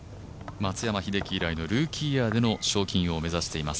松山英樹以来のルーキーイヤーでの賞金王を目指しています。